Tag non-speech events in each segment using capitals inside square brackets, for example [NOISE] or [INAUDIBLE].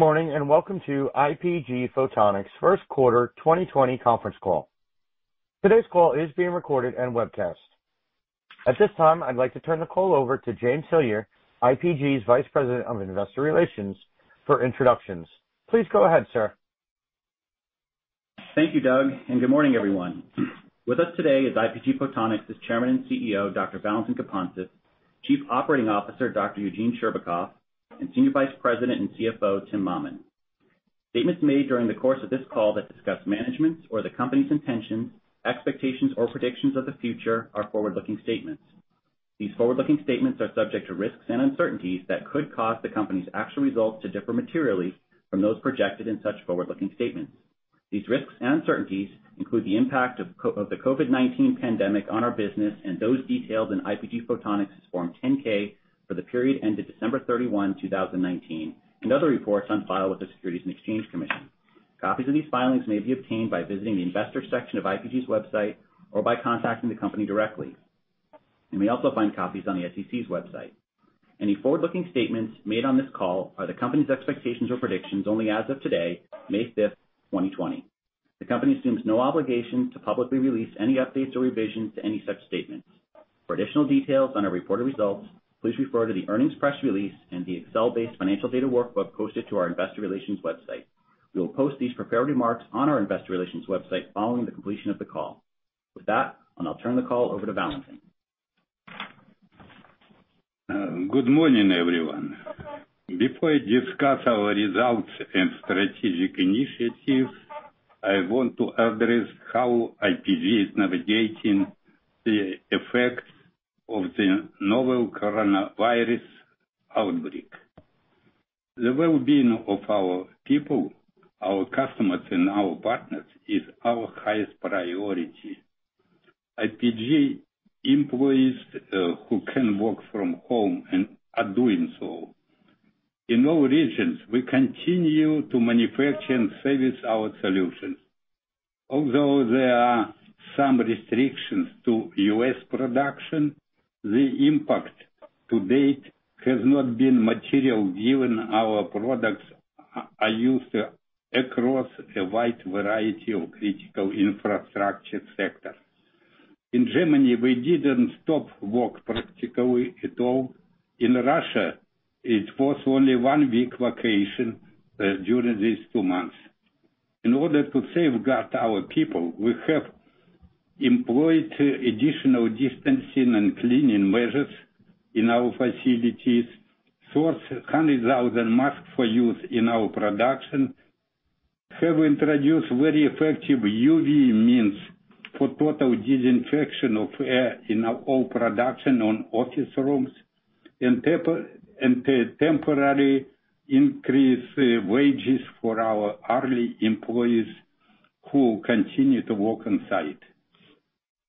Good morning, welcome to IPG Photonics' Q1 2020 conference call. Today's call is being recorded and webcast. At this time, I'd like to turn the call over to James Hillier, IPG's Vice President of Investor Relations for introductions. Please go ahead, sir. Thank you, Doug, and good morning, everyone. With us today is IPG Photonics' Chairman and CEO, Dr. Valentin Gapontsev, Chief Operating Officer, Dr. Eugene Scherbakov, and Senior Vice President and CFO, Tim Mammen. Statements made during the course of this call that discuss management's or the company's intentions, expectations, or predictions of the future are forward-looking statements. These forward-looking statements are subject to risks and uncertainties that could cause the company's actual results to differ materially from those projected in such forward-looking statements. These risks and uncertainties include the impact of the COVID-19 pandemic on our business and those detailed in IPG Photonics' Form 10-K for the period ended 31 December 2019, and other reports on file with the Securities and Exchange Commission. Copies of these filings may be obtained by visiting the investor section of IPG's website or by contacting the company directly. You may also find copies on the SEC's website. Any forward-looking statements made on this call are the company's expectations or predictions only as of today, 5 May 2020. The company assumes no obligation to publicly release any updates or revisions to any such statements. For additional details on our reported results, please refer to the earnings press release and the Excel-based financial data workbook posted to our investor relations website. We will post these prepared remarks on our investor relations website following the completion of the call. With that, I'll now turn the call over to Valentin. Good morning, everyone. Before I discuss our results and strategic initiatives, I want to address how IPG is navigating the effects of the novel coronavirus outbreak. The well-being of our people, our customers, and our partners is our highest priority. IPG employees who can work from home and are doing so. In all regions, we continue to manufacture and service our solutions. Although there are some restrictions to U.S. production, the impact to date has not been material, given our products are used across a wide variety of critical infrastructure sectors. In Germany, we didn't stop work practically at all. In Russia, it was only one week vacation during these two months. In order to safeguard our people, we have employed additional distancing and cleaning measures in our facilities, sourced 100,000 masks for use in our production, have introduced very effective UV means for total disinfection of air in our all production and office rooms, and temporarily increased wages for our hourly employees who continue to work on site.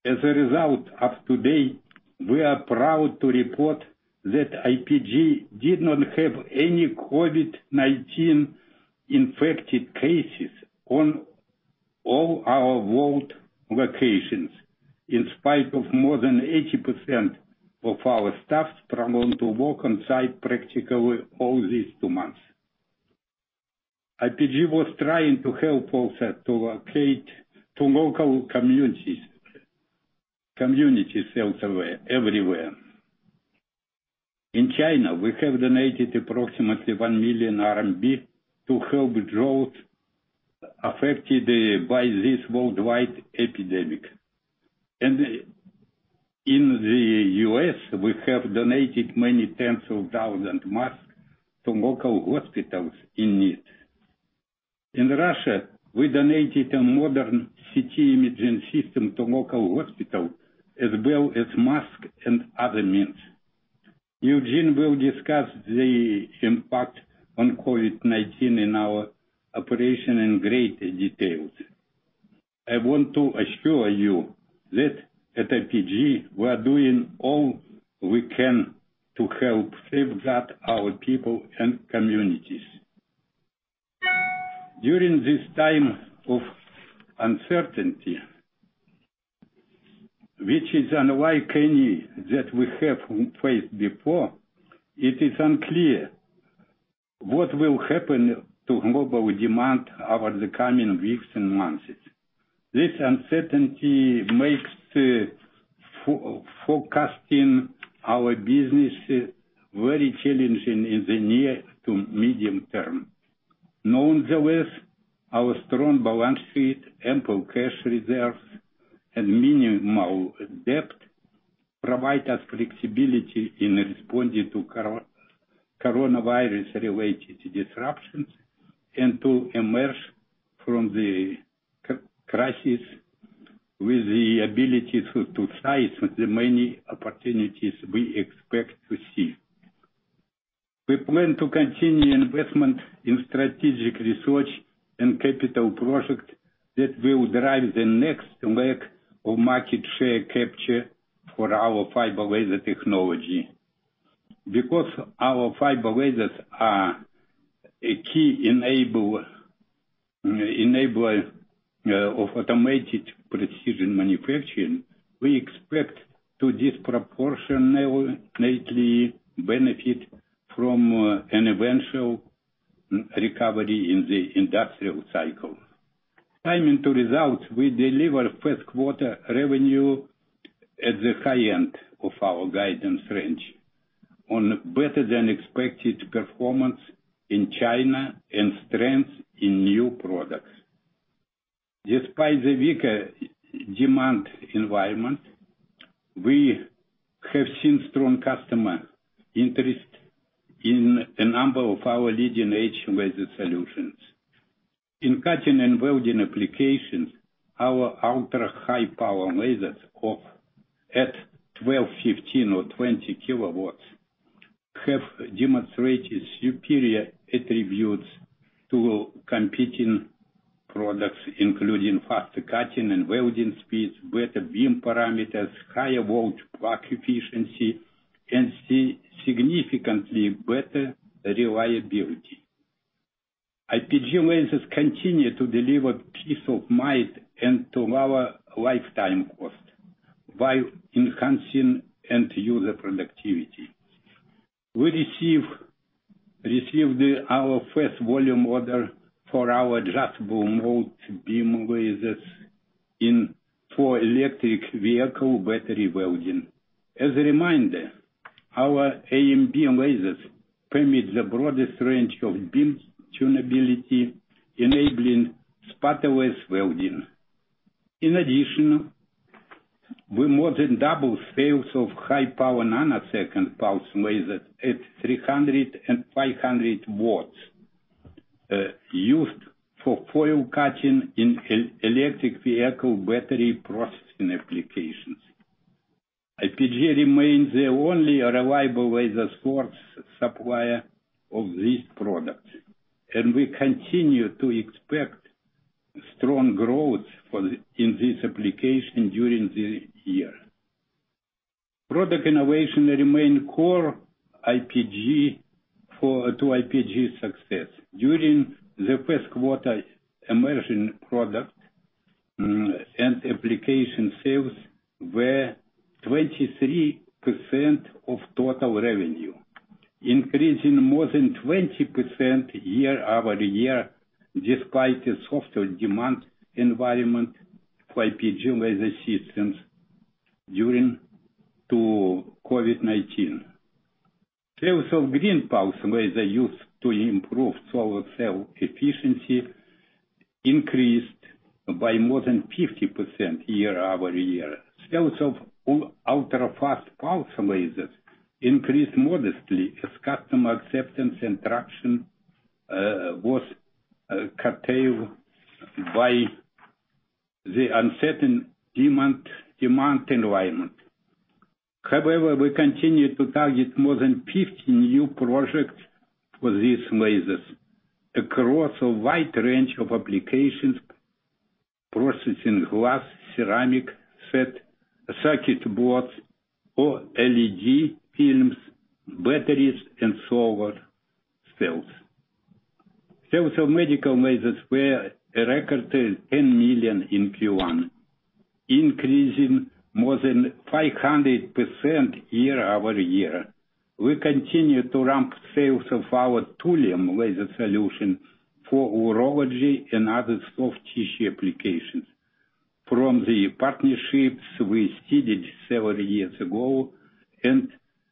As a result, as of today, we are proud to report that IPG did not have any COVID-19 infected cases on all our world locations, in spite of more than 80% of our staff continuing to work on site practically all these two months. IPG was trying to help also to allocate to local communities elsewhere, everywhere. In China, we have donated approximately 1 million RMB to help those affected by this worldwide epidemic. In the U.S., we have donated many tens of thousand masks to local hospitals in need. In Russia, we donated a modern CT imaging system to local hospital, as well as masks and other means. Eugene will discuss the impact on COVID-19 in our operation in great details. I want to assure you that at IPG, we are doing all we can to help safeguard our people and communities. During this time of uncertainty, which is unlike any that we have faced before, it is unclear what will happen to global demand over the coming weeks and months. This uncertainty makes forecasting our business very challenging in the near to medium term. Nonetheless, our strong balance sheet, ample cash reserves, and minimal debt provide us flexibility in responding to coronavirus-related disruptions and to emerge from the crisis with the ability to seize the many opportunities we expect to see. We plan to continue investment in strategic research and capital projects that will drive the next leg of market share capture for our fiber laser technology. Because our fiber lasers are a key enabler of automated precision manufacturing, we expect to disproportionately benefit from an eventual recovery in the industrial cycle. Timing to results, we deliver Q1 revenue at the high end of our guidance range on better than expected performance in China and strength in new products. Despite the weaker demand environment, we have seen strong customer interest in a number of our leading-edge laser solutions. In cutting and welding applications, our ultra-high power lasers of 12, 15 or 20 kW have demonstrated superior attributes to competing products, including faster cutting and welding speeds, better beam parameters, higher wall-plug efficiency, and significantly better reliability. IPG lasers continue to deliver peace of mind and lower lifetime cost while enhancing end user productivity. We received our first volume order for our Adjustable Mode Beam lasers for electric vehicle battery welding. As a reminder, our AMB lasers permit the broadest range of beam tunability, enabling spotless welding. We more than double sales of high power nanosecond pulse lasers at 300 and 500 watts, used for foil cutting in electric vehicle battery processing applications. IPG remains the only reliable laser source supplier of this product, and we continue to expect strong growth in this application during the year. Product innovation remain core to IPG's success. During the Q1, emerging product and application sales were 23% of total revenue, increasing more than 20% year-over-year despite the softer demand environment for IPG laser systems due to COVID-19. Sales of green pulsed laser used to improve solar cell efficiency increased by more than 50% year-over-year. Sales of ultrafast pulse lasers increased modestly as customer acceptance and traction was curtailed by the uncertain demand environment. However, we continue to target more than 50 new projects for these lasers across a wide range of applications, processing glass, ceramic, circuit boards, or LED films, batteries, and solar cells. Sales of medical lasers were a record $10 million in Q1, increasing more than 500% year-over-year. We continue to ramp sales of our thulium laser solution for urology and other soft tissue applications from the partnerships we seeded several years ago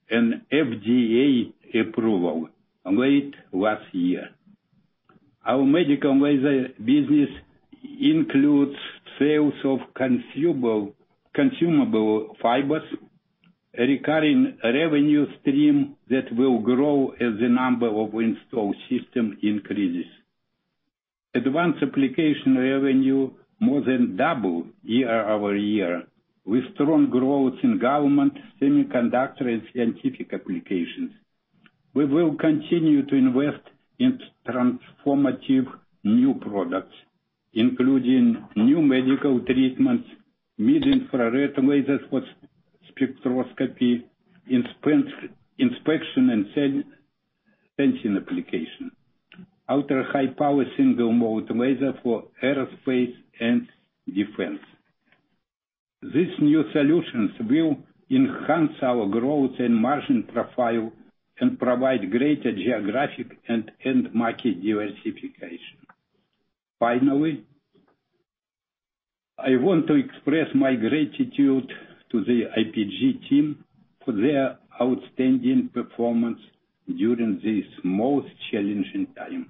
and an FDA approval late last year. Our medical laser business includes sales of consumable fibers, a recurring revenue stream that will grow as the number of installed system increases. Advanced application revenue more than double year-over-year with strong growth in government, semiconductor, and scientific applications. We will continue to invest in transformative new products, including new medical treatments, mid-infrared lasers for spectroscopy, inspection and sensing applications, ultra-high power single mode laser for aerospace and defense. These new solutions will enhance our growth and margin profile and provide greater geographic and end market diversification. Finally, I want to express my gratitude to the IPG team for their outstanding performance during this most challenging time.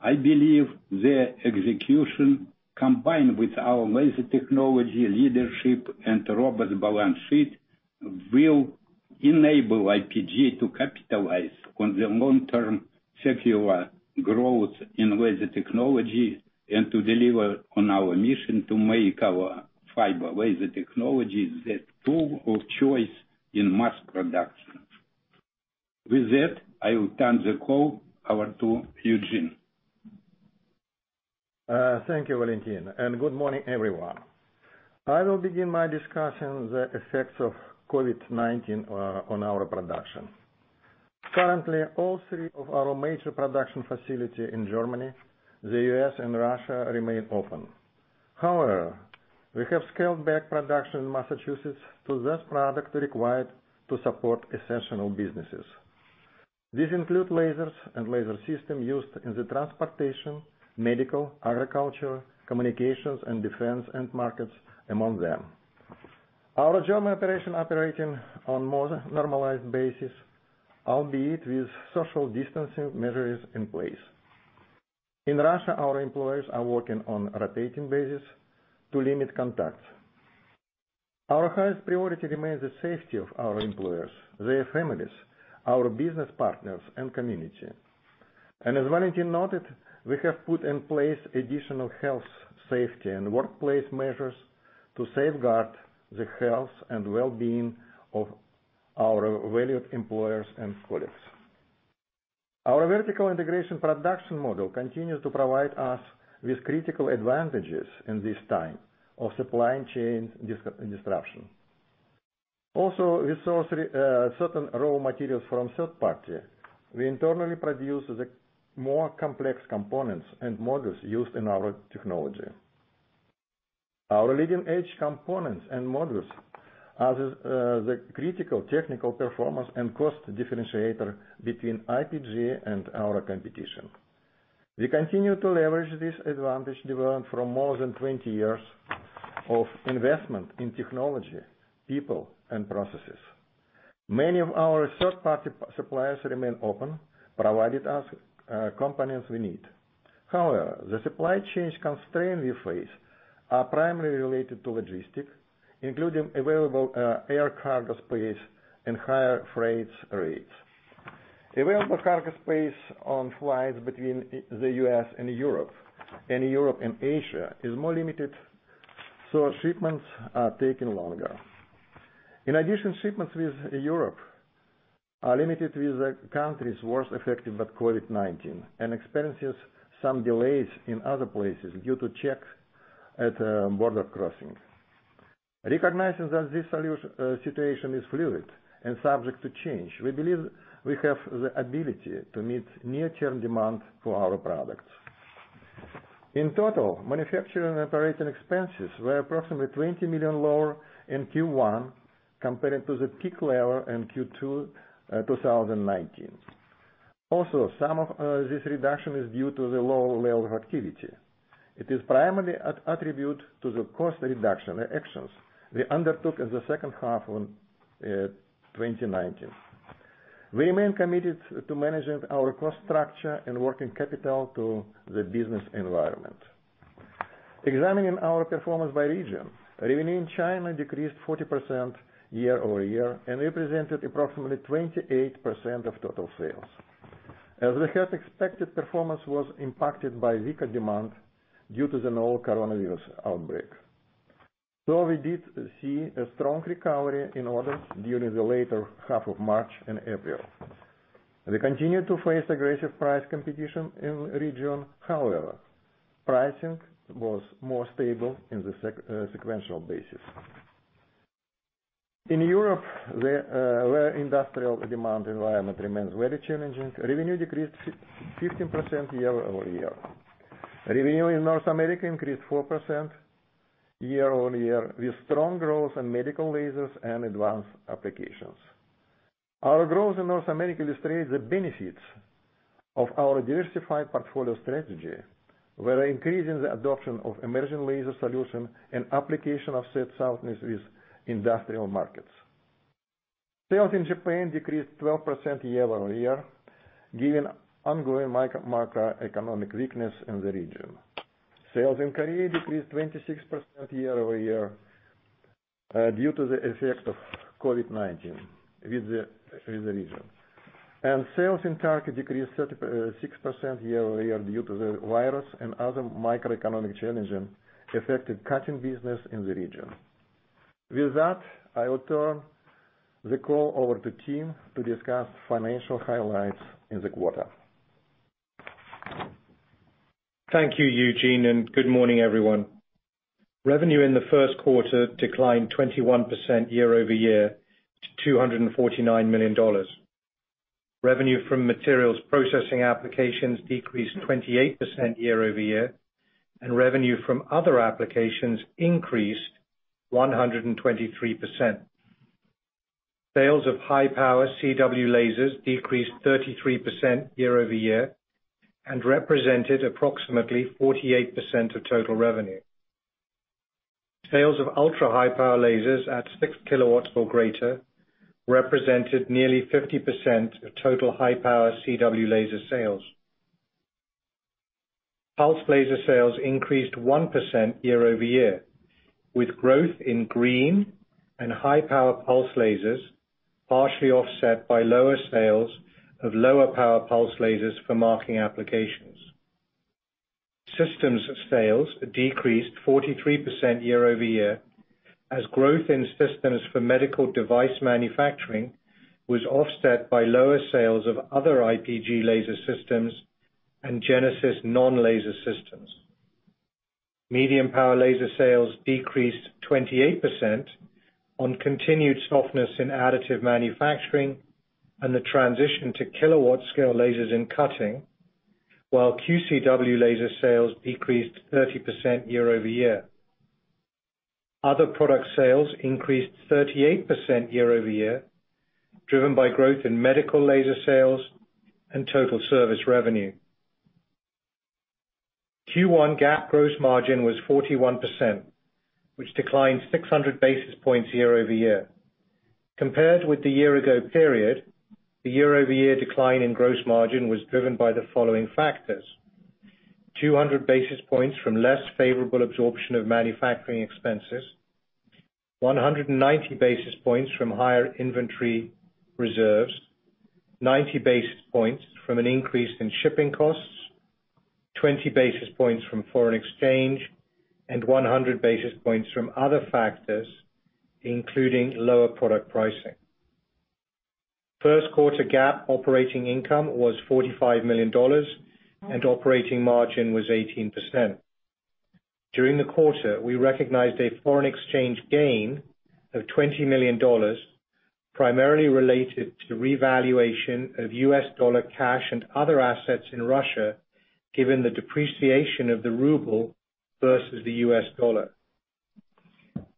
I believe their execution, combined with our laser technology leadership and robust balance sheet, will enable IPG to capitalize on the long-term secular growth in laser technology, and to deliver on our mission to make our fiber laser technology the tool of choice in mass production. With that, I will turn the call over to Eugene. Thank you, Valentin, and good morning, everyone. I will begin my discussion the effects of COVID-19 on our production. Currently, all three of our major production facilities in Germany, the U.S., and Russia remain open. We have scaled back production in Massachusetts to those products required to support essential businesses. These include lasers and laser systems used in the transportation, medical, agriculture, communications, and defense end markets, among them. Our German operation operating on more normalized basis, albeit with social distancing measures in place. In Russia, our employees are working on rotating basis to limit contacts. Our highest priority remains the safety of our employees, their families, our business partners, and community. As Valentin noted, we have put in place additional health, safety, and workplace measures to safeguard the health and well-being of our valued employees and colleagues. Our vertical integration production model continues to provide us with critical advantages in this time of supply chain disruption. We source certain raw materials from third-party. We internally produce the more complex components and modules used in our technology. Our leading-edge components and modules are the critical technical performance and cost differentiator between IPG and our competition. We continue to leverage this advantage developed from more than 20 years of investment in technology, people, and processes. Many of our third-party suppliers remain open, provided us components we need. The supply chain constraints we face are primarily related to logistics, including available air cargo space and higher freight rates. Available cargo space on flights between the U.S. and Europe, and Europe and Asia is more limited, so shipments are taking longer. In addition, shipments with Europe are limited with the countries worst affected by COVID-19 and experiences some delays in other places due to checks at border crossings. Recognizing that this situation is fluid and subject to change, we believe we have the ability to meet near-term demand for our products. In total, manufacturing operating expenses were approximately $20 million lower in Q1 compared to the peak level in Q2 2019. Also, some of this reduction is due to the lower level of activity. It is primarily attributed to the cost reduction actions we undertook in the H2 of 2019. We remain committed to managing our cost structure and working capital to the business environment. Examining our performance by region. Revenue in China decreased 40% year-over-year and represented approximately 28% of total sales. As we had expected, performance was impacted by weaker demand due to the novel coronavirus outbreak. We did see a strong recovery in orders during the later half of March and April. We continued to face aggressive price competition in the region, however, pricing was more stable on a sequential basis. In Europe, where industrial demand environment remains very challenging, revenue decreased 15% year-over-year. Revenue in North America increased 4% year-over-year, with strong growth in medical lasers and advanced applications. Our growth in North America illustrates the benefits of our diversified portfolio strategy. We're increasing the adoption of emerging laser solutions and application of said solutions in industrial markets. Sales in Japan decreased 12% year-over-year, given ongoing macroeconomic weakness in the region. Sales in Korea decreased 26% year-over-year due to the effect of COVID-19 in the region. Sales in Turkey decreased 36% year-over-year due to the virus and other macroeconomic challenges affected cutting business in the region. With that, I will turn the call over to Tim to discuss financial highlights in the quarter. Thank you, Eugene, and good morning, everyone. Revenue in the Q1 declined 21% year-over-year to $249 million. Revenue from materials processing applications decreased 28% year-over-year, and revenue from other applications increased 123%. Sales of high-power CW lasers decreased 33% year-over-year and represented approximately 48% of total revenue. Sales of ultra-high power lasers at 6 kW or greater represented nearly 50% of total high-power CW laser sales. Pulse laser sales increased 1% year-over-year, with growth in green and high-power pulse lasers partially offset by lower sales of lower power pulse lasers for marking applications. Systems sales decreased 43% year-over-year, as growth in systems for medical device manufacturing was offset by lower sales of other IPG laser systems and Genesis non-laser systems. Medium power laser sales decreased 28% on continued softness in additive manufacturing and the transition to kilowatt scale lasers in cutting, while QCW laser sales decreased 30% year-over-year. Other product sales increased 38% year-over-year, driven by growth in medical laser sales and total service revenue. Q1 GAAP gross margin was 41%, which declined 600 basis points year-over-year. Compared with the year ago period, the year-over-year decline in gross margin was driven by the following factors. 200 basis points from less favorable absorption of manufacturing expenses, 190 basis points from higher inventory reserves, 90 basis points from an increase in shipping costs, 20 basis points from foreign exchange, and 100 basis points from other factors, including lower product pricing. Q1 GAAP operating income was $45 million and operating margin was 18%. During the quarter, we recognized a foreign exchange gain of $20 million, primarily related to revaluation of U.S. dollar cash and other assets in Russia, given the depreciation of the ruble versus the U.S. dollar.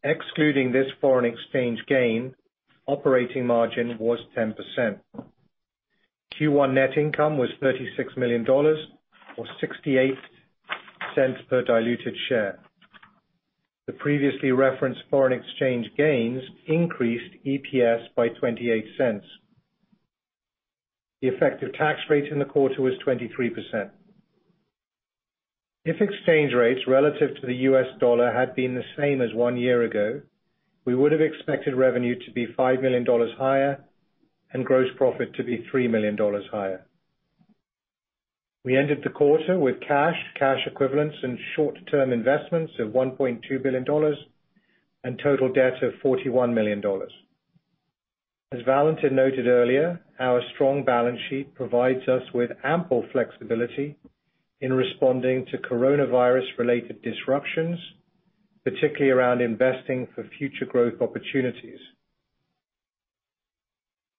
Excluding this foreign exchange gain, operating margin was 10%. Q1 net income was $36 million or $0.68 per diluted share. The previously referenced foreign exchange gains increased EPS by $0.28. The effective tax rate in the quarter was 23%. If exchange rates relative to the US dollar had been the same as one year ago, we would have expected revenue to be $5 million higher and gross profit to be $3 million higher. We ended the quarter with cash equivalents, and short-term investments of $1.2 billion and total debt of $41 million. As Valentin noted earlier, our strong balance sheet provides us with ample flexibility in responding to coronavirus-related disruptions, particularly around investing for future growth opportunities.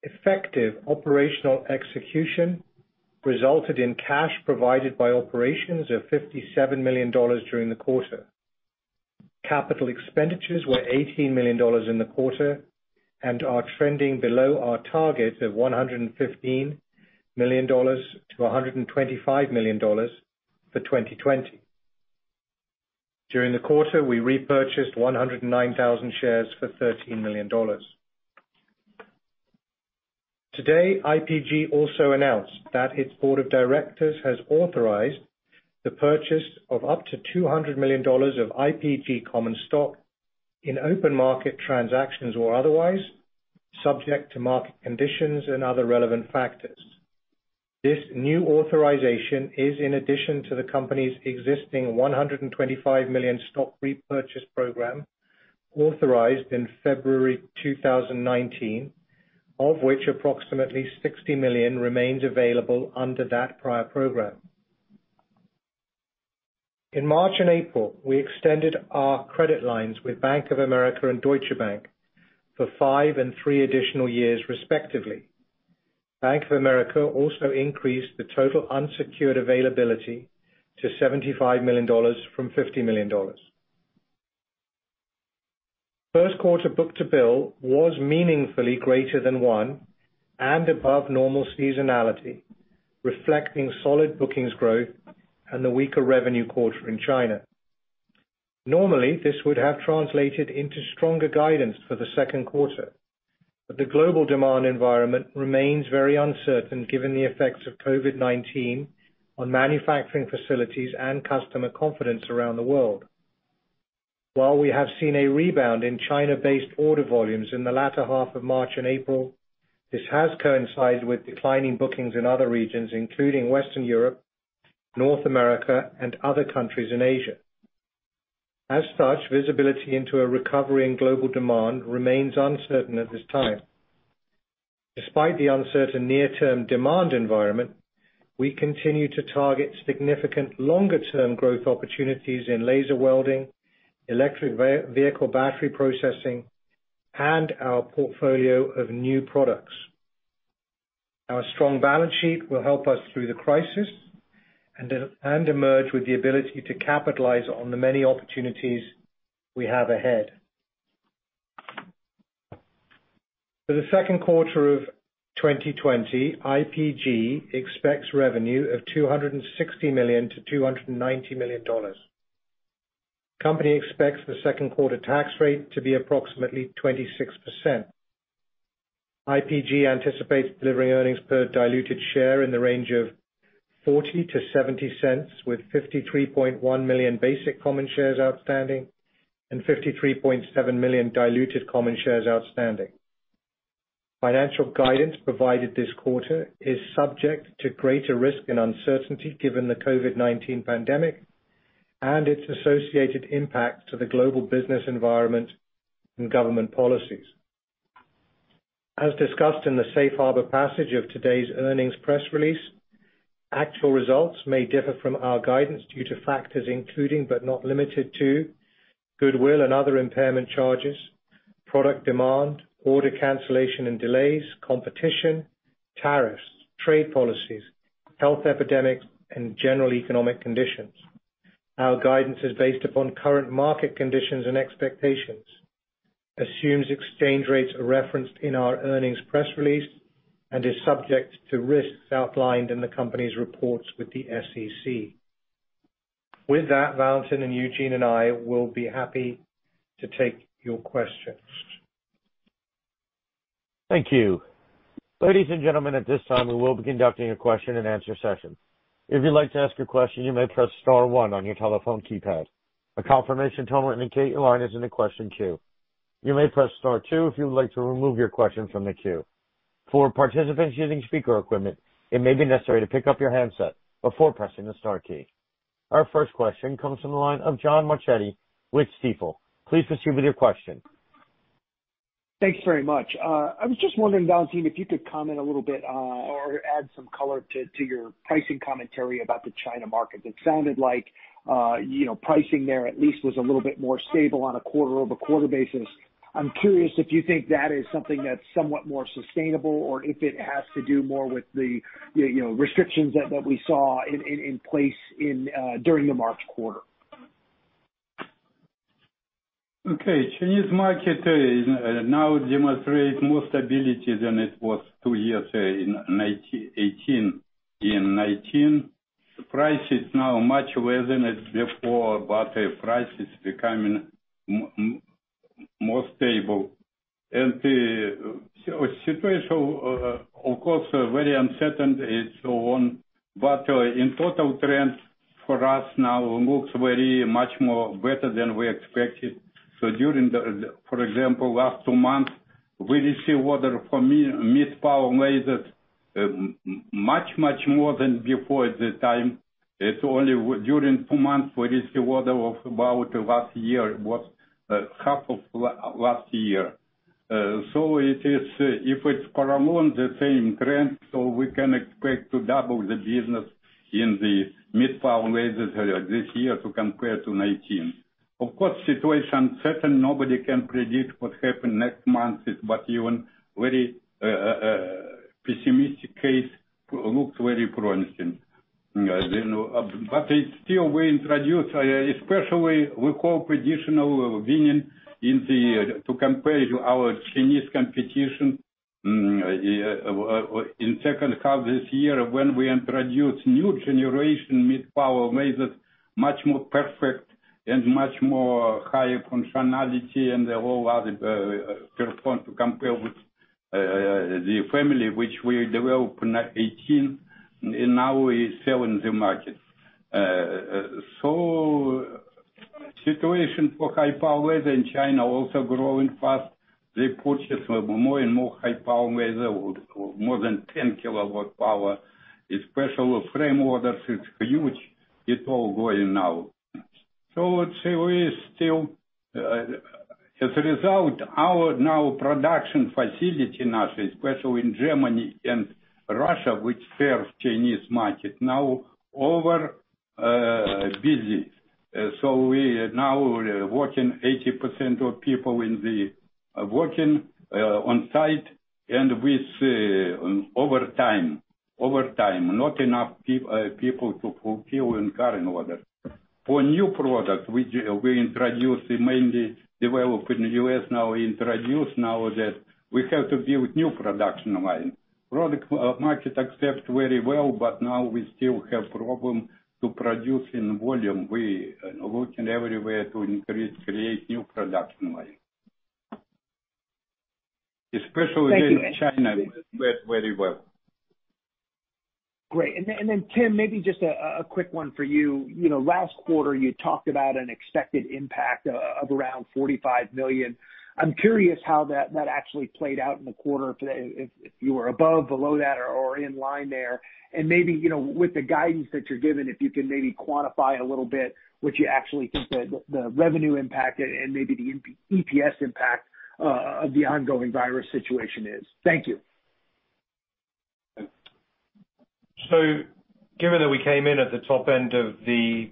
Effective operational execution resulted in cash provided by operations of $57 million during the quarter. Capital expenditures were $18 million in the quarter and are trending below our targets of $115 million to $125 million for 2020. During the quarter, we repurchased 109,000 shares for $13 million. Today, IPG also announced that its board of directors has authorized the purchase of up to $200 million of IPG common stock in open market transactions or otherwise, subject to market conditions and other relevant factors. This new authorization is in addition to the company's existing $125 million stock repurchase program authorized in February 2019, of which approximately $60 million remains available under that prior program. In March and April, we extended our credit lines with Bank of America and Deutsche Bank for five and three additional years, respectively. Bank of America also increased the total unsecured availability to $75 million from $50 million. Q1 book to bill was meaningfully greater than one and above normal seasonality, reflecting solid bookings growth and the weaker revenue quarter in China. Normally, this would have translated into stronger guidance for the Q2, but the global demand environment remains very uncertain given the effects of COVID-19 on manufacturing facilities and customer confidence around the world. While we have seen a rebound in China-based order volumes in the latter half of March and April, this has coincided with declining bookings in other regions, including Western Europe, North America, and other countries in Asia. As such, visibility into a recovery in global demand remains uncertain at this time. Despite the uncertain near term demand environment, we continue to target significant longer term growth opportunities in laser welding, electric vehicle battery processing, and our portfolio of new products. Our strong balance sheet will help us through the crisis and emerge with the ability to capitalize on the many opportunities we have ahead. For the Q2 of 2020, IPG expects revenue of $260 million-$290 million. The company expects the Q2 tax rate to be approximately 26%. IPG anticipates delivering earnings per diluted share in the range of $0.40-$0.70, with 53.1 million basic common shares outstanding and 53.7 million diluted common shares outstanding. Financial guidance provided this quarter is subject to greater risk and uncertainty, given the COVID-19 pandemic and its associated impact to the global business environment and government policies. As discussed in the safe harbor passage of today's earnings press release, actual results may differ from our guidance due to factors including but not limited to, goodwill and other impairment charges, product demand, order cancellation and delays, competition, tariffs, trade policies, health epidemics, and general economic conditions. Our guidance is based upon current market conditions and expectations, assumes exchange rates are referenced in our earnings press release, and is subject to risks outlined in the company's reports with the SEC. With that, Valentin and Eugene and I will be happy to take your questions. Thank you. Ladies and gentlemen, at this time, we will be conducting a question and answer session. If you'd like to ask a question, you may press star 1 on your telephone keypad. A confirmation tone will indicate your line is in the question queue. You may press star two if you would like to remove your question from the queue. For participants using speaker equipment, it may be necessary to pick up your handset before pressing the star key. Our first question comes from the line of John Marchetti with Stifel. Please proceed with your question. Thanks very much. I was just wondering, Valentin, if you could comment a little bit or add some color to your pricing commentary about the China market. It sounded like pricing there at least was a little bit more stable on a quarter-over-quarter basis. I'm curious if you think that is something that's somewhat more sustainable or if it has to do more with the restrictions that we saw in place during the March quarter. Okay. Chinese market now demonstrates more stability than it was two years in 2018. In 2019, the price is now much less than it was before, the price is becoming more stable. The situation, of course, very uncertain and so on. In total trends for us now looks very much more better than we expected. During, for example, last two months, we receive order for mid-power lasers much more than before the time. It's only during two months we receive order of about last year. It was half of last year. If it's paramount the same trend, we can expect to double the business in the mid-power lasers this year to compare to 2019. Of course, situation uncertain, nobody can predict what happen next month, even very pessimistic case looks very promising. It's still we introduce, especially we call traditional welding to compare to our Chinese competition in H2 this year when we introduce new generation mid-power lasers, much more perfect and much more higher functionality and the whole other performance to compare with the family which we develop in 2018, and now we sell in the market. Situation for high power laser in China also growing fast. They purchase more and more high power laser, more than 10 kW power. Especially firm orders, it's huge. It's all going now. We still, as a result, our now production facility in Asia, especially in Germany and Russia, which serves Chinese market now over busy. We now working 80% of people working on site and with overtime. Not enough people to fulfill current order. For new product, we introduce mainly developed in the U.S. now, we introduce now that we have to build new production line. Now we still have problem to produce in volume. We looking everywhere to increase, create new production line. Especially in China. Thank you. [CROSSTALK] Went very well. Great. Tim, maybe just a quick one for you. Last quarter you talked about an expected impact of around $45 million. I'm curious how that actually played out in the quarter, if you were above, below that or in line there. With the guidance that you're giving, if you can maybe quantify a little bit what you actually think the revenue impact and maybe the EPS impact of the ongoing virus situation is. Thank you. Given that we came in at the top end of the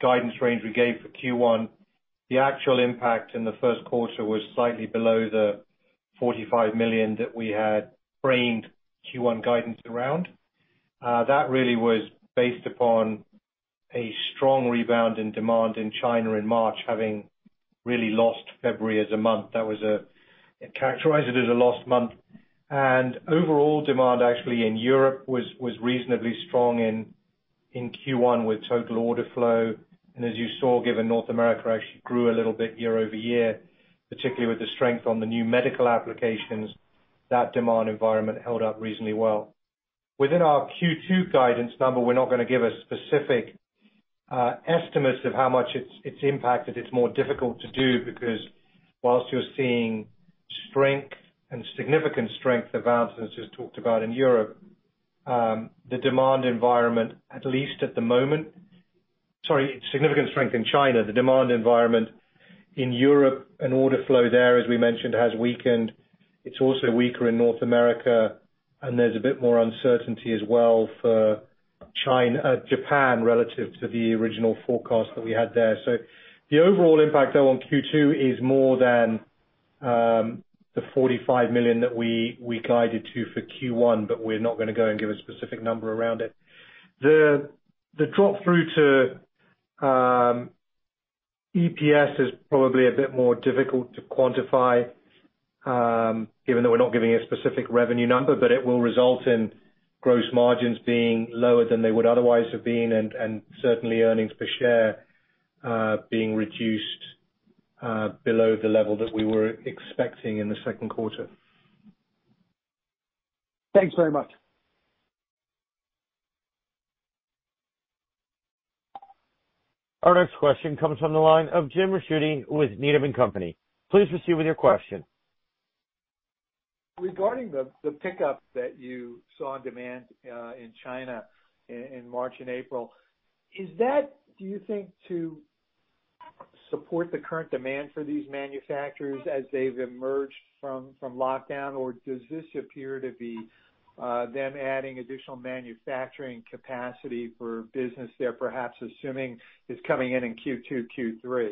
guidance range we gave for Q1, the actual impact in the Q1 was slightly below the $45 million that we had framed Q1 guidance around. That really was based upon a strong rebound in demand in China in March, having really lost February as a month. We characterized it as a lost month. Overall demand actually in Europe was reasonably strong in Q1 with total order flow. As you saw, given North America actually grew a little bit year-over-year, particularly with the strength on the new medical applications, that demand environment held up reasonably well. Within our Q2 guidance number, we're not gonna give specific estimates of how much it's impacted. It's more difficult to do because whilst you're seeing strength and significant strength that Valentin's just talked about in Europe, the demand environment, at least at the moment. Sorry, significant strength in China. The demand environment in Europe and order flow there, as we mentioned, has weakened. It's also weaker in North America, and there's a bit more uncertainty as well for Japan relative to the original forecast that we had there. The overall impact though on Q2 is more than the $45 million that we guided to for Q1, but we're not going to go and give a specific number around it. The drop-through to EPS is probably a bit more difficult to quantify, given that we're not giving a specific revenue number, but it will result in gross margins being lower than they would otherwise have been, and certainly earnings per share being reduced below the level that we were expecting in the Q2. Thanks very much. Our next question comes from the line of Jim Ricchiuti with Needham & Company. Please proceed with your question. Regarding the pickup that you saw in demand in China in March and April, is that, do you think, to support the current demand for these manufacturers as they've emerged from lockdown? Or does this appear to be them adding additional manufacturing capacity for business they're perhaps assuming is coming in in Q2, Q3?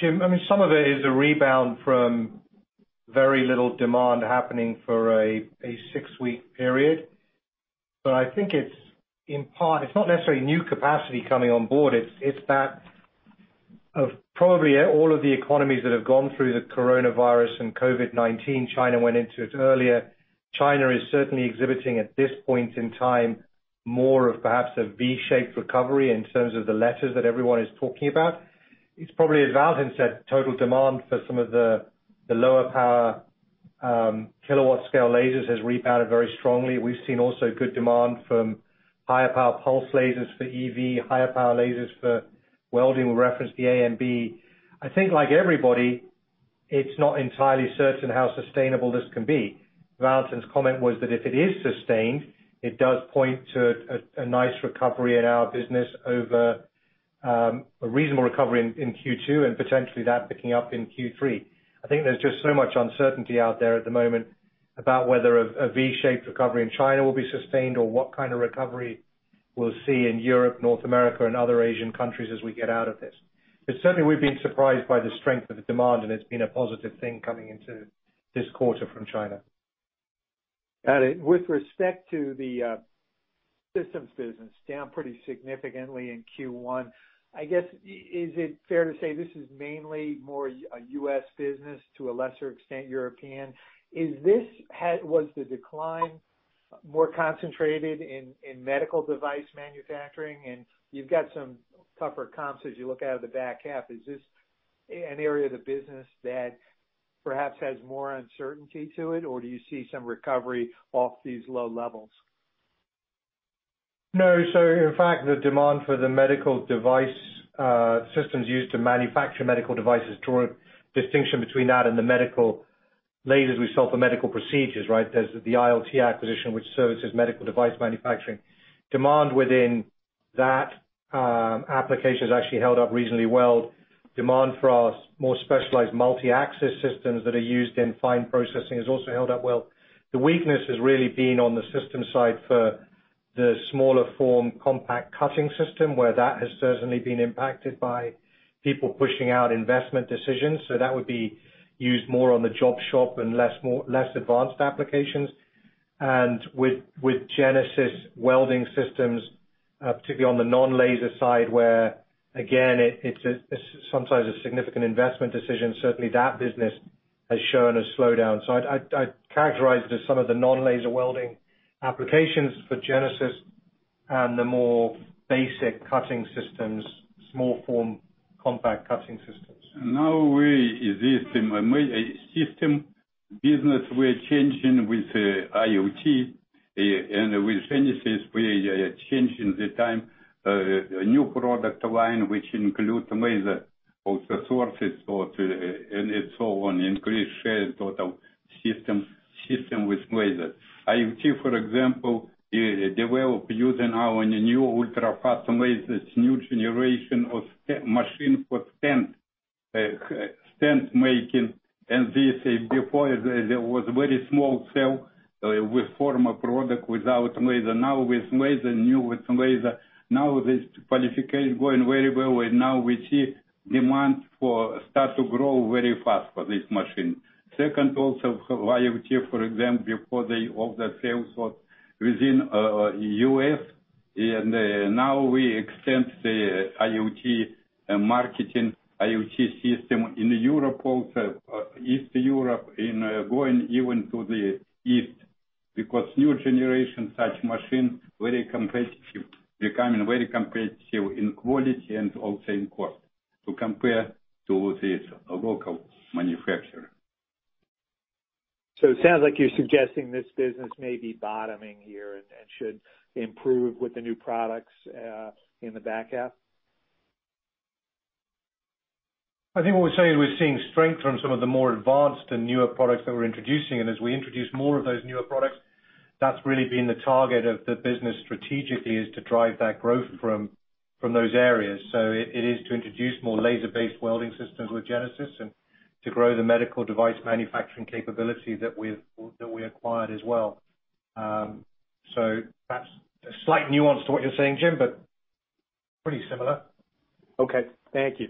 Jim, some of it is a rebound from very little demand happening for a six-week period. I think it's not necessarily new capacity coming on board, it's that of probably all of the economies that have gone through the coronavirus and COVID-19, China went into it earlier. China is certainly exhibiting, at this point in time, more of perhaps a V-shaped recovery in terms of the letters that everyone is talking about. It's probably, as Valentin said, total demand for some of the lower power kilowatt scale lasers has rebounded very strongly. We've seen also good demand from higher power pulse lasers for EV, higher power lasers for welding. We referenced the AMB. I think like everybody, it's not entirely certain how sustainable this can be. Valentin's comment was that if it is sustained, it does point to a nice recovery in our business over, a reasonable recovery in Q2 and potentially that picking up in Q3. I think there's just so much uncertainty out there at the moment about whether a V-shaped recovery in China will be sustained or what kind of recovery we'll see in Europe, North America, and other Asian countries as we get out of this. But certainly, we've been surprised by the strength of the demand, and it's been a positive thing coming into this quarter from China. Got it. With respect to the systems business, down pretty significantly in Q1. I guess, is it fair to say this is mainly more a U.S. business, to a lesser extent European? Was the decline more concentrated in medical device manufacturing? You've got some tougher comps as you look out of the back half. Is this an area of the business that perhaps has more uncertainty to it, or do you see some recovery off these low levels? No. In fact, the demand for the medical device systems used to manufacture medical devices, draw a distinction between that and the medical lasers we sell for medical procedures, right? There's the ILT acquisition, which services medical device manufacturing. Demand within that application has actually held up reasonably well. Demand for our more specialized multi-axis systems that are used in fine processing has also held up well. The weakness has really been on the system side for the smaller form compact cutting system, where that has certainly been impacted by people pushing out investment decisions. That would be used more on the job shop and less advanced applications. With Genesis welding systems, particularly on the non-laser side, where again, it's sometimes a significant investment decision, certainly that business has shown a slowdown. I'd characterize it as some of the non-laser welding applications for Genesis and the more basic cutting systems, small form compact cutting systems. Now we exist in a system business. We're changing with ILT, with Genesis, we are changing the time. A new product line, which includes laser, also sources, and so on, increased share total system with laser. ILT, for example, they will be using our new ultra-fast lasers, new generation of machines for stent making. This, before, there was very small sale with former product without laser. Now with laser, new with laser, now this qualification going very well. Now we see demand start to grow very fast for this machine. Second, also, for ILT, for example, before all the sales was within U.S., now we extend the ILT marketing, ILT system in Europe also, East Europe, going even to the East, because new generation such machine, very competitive. Becoming very competitive in quality and also in cost to compare to this local manufacturer. It sounds like you're suggesting this business may be bottoming here and should improve with the new products in the back half? I think what we're saying, we're seeing strength from some of the more advanced and newer products that we're introducing. As we introduce more of those newer products, that's really been the target of the business strategically, is to drive that growth from those areas. It is to introduce more laser-based welding systems with Genesis and to grow the medical device manufacturing capability that we acquired as well. Perhaps a slight nuance to what you're saying, Jim, but pretty similar. Okay. Thank you.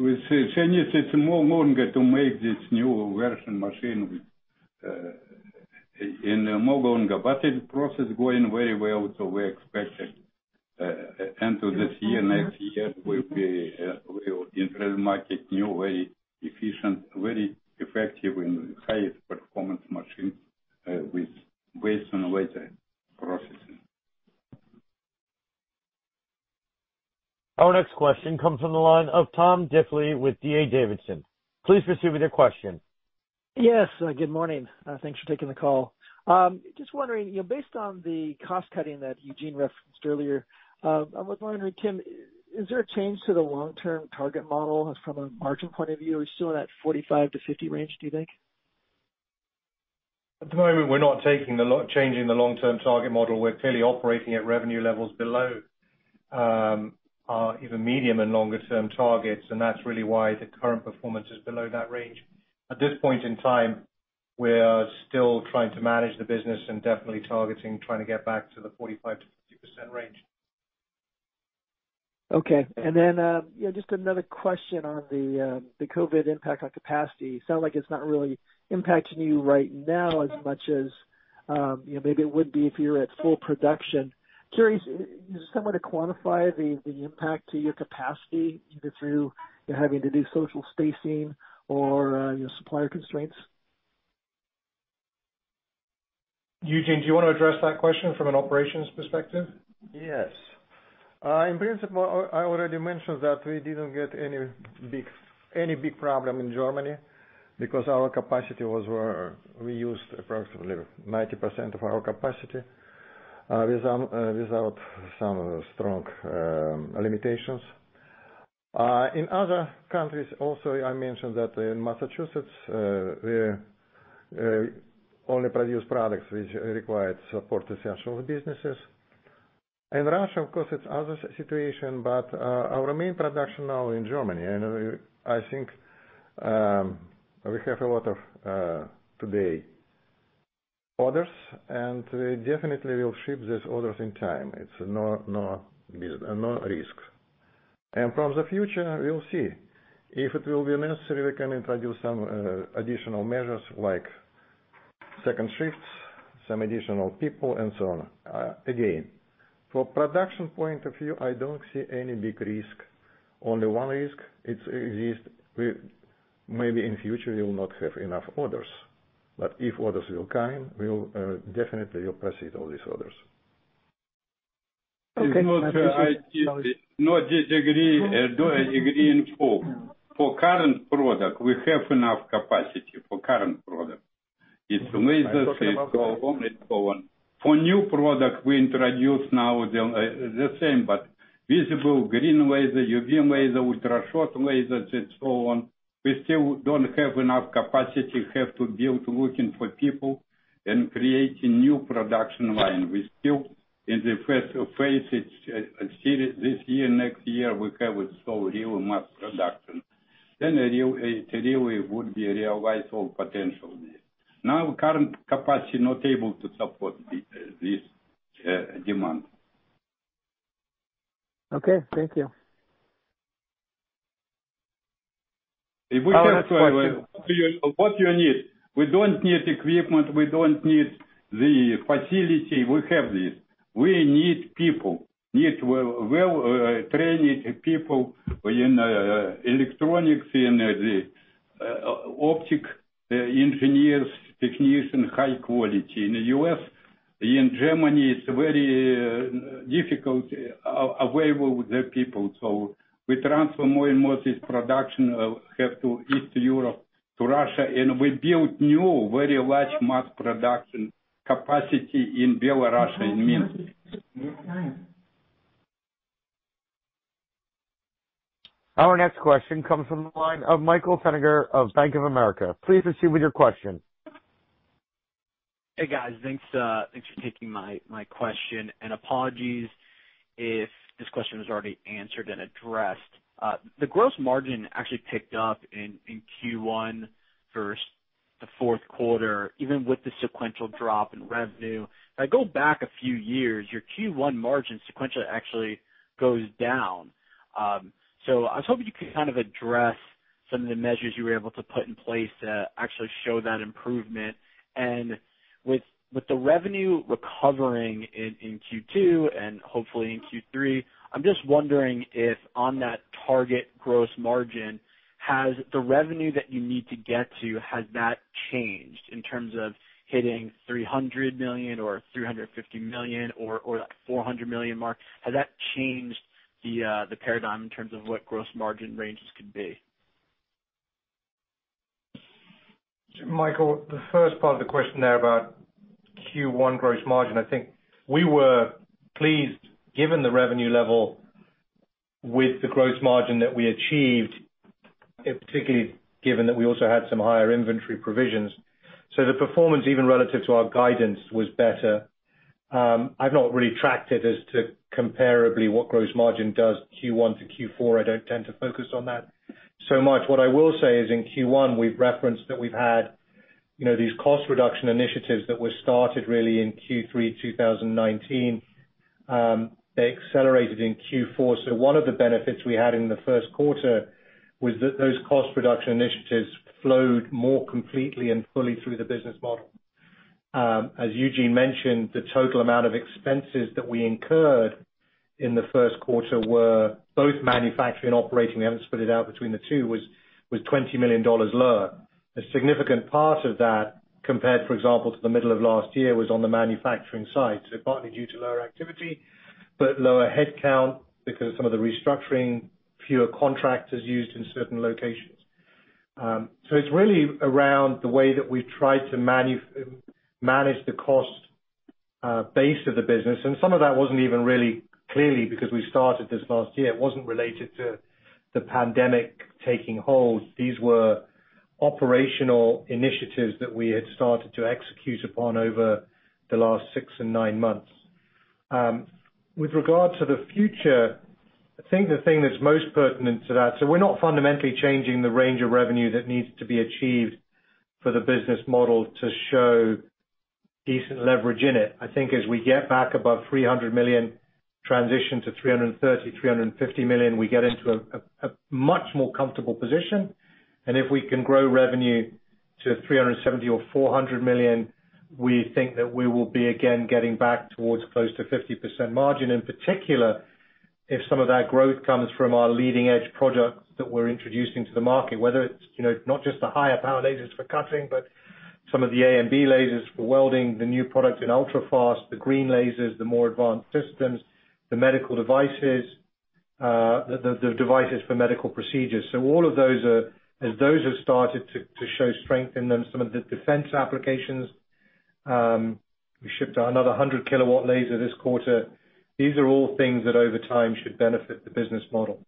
With Genesis, it's more longer to make this new version machine in the more longer. The process is going very well, so we're expecting end of this year, next year, we will introduce market new, very efficient, very effective, and high performance machine, with waste and water processing. Our next question comes from the line of Tom Diffley with D.A. Davidson. Please proceed with your question. Yes. Good morning. Thanks for taking the call. Just wondering, based on the cost cutting that Eugene referenced earlier, I was wondering, Tim, is there a change to the long-term target model from a margin point of view? Are we still in that 45%-50% range, do you think? At the moment, we're not changing the long-term target model. We're clearly operating at revenue levels below our even medium and longer term targets, and that's really why the current performance is below that range. At this point in time, we are still trying to manage the business and definitely targeting trying to get back to the 45%-50% range. Okay. Just another question on the COVID impact on capacity. Sound like it's not really impacting you right now as much as maybe it would be if you're at full production. Curious, is there some way to quantify the impact to your capacity, either through you're having to do social spacing or your supplier constraints? Eugene, do you want to address that question from an operations perspective? Yes. In principle, I already mentioned that we didn't get any big problem in Germany because our capacity was where we used approximately 90% of our capacity, without some strong limitations. In other countries also, I mentioned that in Massachusetts, we only produce products which required support to essential businesses. Our main production now in Germany, and I think, we have a lot of, today, orders, and we definitely will ship these orders in time. It's no risk. From the future, we'll see. If it will be necessary, we can introduce some additional measures like second shifts, some additional people, and so on. Again, for production point of view, I don't see any big risk. Only one risk, it exists with maybe in future we will not have enough orders. If orders will come, we'll definitely will proceed all these orders. Okay. No, disagree. Do agree in full. For current product, we have enough capacity for current product. It's laser, and so on. For new product we introduce now, the same, but green pulsed laser, UV laser, ultrafast pulse lasers, and so on, we still don't have enough capacity. We have to build, looking for people, and creating new production line. We're still in the first phase. It's still this year, next year, we have so little mass production. It really would be a realized full potential. Now, current capacity is not able to support this demand. Okay. Thank you. What you need? We don't need equipment, we don't need the facility. We have this. We need people, need well-trained people in electronics, in the optic engineers, technician, high quality. In the U.S., in Germany, it's very difficult available the people. We transfer more and more this production to East Europe, to Russia, and we build new, very large mass production capacity in Belarus, in Minsk. Our next question comes from the line of Michael Feniger of Bank of America. Please proceed with your question. Hey, guys. Thanks for taking my question, and apologies if this question was already answered and addressed. The gross margin actually picked up in Q1 versus the Q4, even with the sequential drop in revenue. If I go back a few years, your Q1 margin sequentially actually goes down. I was hoping you could kind of address some of the measures you were able to put in place to actually show that improvement. With the revenue recovering in Q2 and hopefully in Q3, I'm just wondering if on that target gross margin, has the revenue that you need to get to, has that changed in terms of hitting $300 million or $350 million or that $400 million mark? Has that changed the paradigm in terms of what gross margin ranges could be? Michael, the first part of the question there about Q1 gross margin, I think we were pleased, given the revenue level with the gross margin that we achieved, particularly given that we also had some higher inventory provisions. The performance, even relative to our guidance, was better. I've not really tracked it as to comparably what gross margin does Q1 to Q4. I don't tend to focus on that so much. What I will say is in Q1, we've referenced that we've had these cost reduction initiatives that were started really in Q3 2019. They accelerated in Q4. One of the benefits we had in the Q1 was that those cost reduction initiatives flowed more completely and fully through the business model. As Eugene mentioned, the total amount of expenses that we incurred in the Q1 were both manufacturing and operating. We haven't split it out between the two, was $20 million lower. A significant part of that, compared, for example, to the middle of last year, was on the manufacturing side. Partly due to lower activity, but lower headcount because some of the restructuring, fewer contractors used in certain locations. It's really around the way that we've tried to manage the cost base of the business. Some of that wasn't even really clearly because we started this last year. It wasn't related to the pandemic taking hold. These were operational initiatives that we had started to execute upon over the last six and nine months. With regard to the future, I think the thing that's most pertinent to that, we're not fundamentally changing the range of revenue that needs to be achieved for the business model to show decent leverage in it. I think as we get back above $300 million, transition to $330 million, $350 million, we get into a much more comfortable position. If we can grow revenue to $370 million or $400 million, we think that we will be again getting back towards close to 50% margin. In particular, if some of that growth comes from our leading edge products that we're introducing to the market, whether it's not just the higher power lasers for cutting, but some of the AMB lasers for welding, the new product in ultrafast, the green lasers, the more advanced systems, the medical devices, the devices for medical procedures. All of those are, as those have started to show strength in them, some of the defense applications. We shipped another 100 kW laser this quarter. These are all things that over time should benefit the business model.